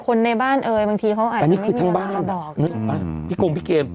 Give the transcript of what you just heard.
คนในบ้านเอ๋ยบางทีเขาอาจจะร่ับบอกอืมไปพี่กรงพี่เกม